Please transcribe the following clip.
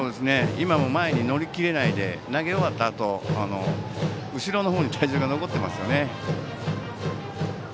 今も前に乗り切れないで投げ終わったあと後ろのほうに体重が残ってますよね。